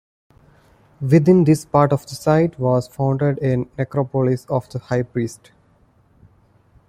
Within this part of the site was founded a necropolis of the high priests.